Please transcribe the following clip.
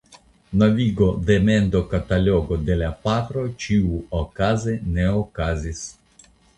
Novigo de la mendokatalogo de la patro ĉiuokaze ne okazis.